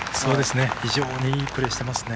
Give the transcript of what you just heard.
非常にいいプレーしていますね。